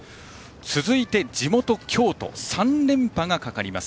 続いて地元・京都３連覇がかかります。